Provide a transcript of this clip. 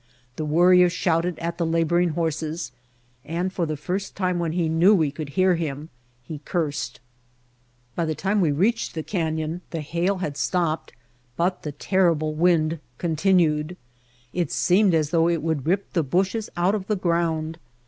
The Worrier shouted at the laboring horses and for the first time when he knew that we could hear him, he cursed. Snowstorm and Sandstorm By the time we reached the canyon the hail had stopped but the terrible wind continued. It seemed as though it would rip the bushes out of the ground.